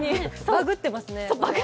バグってますね。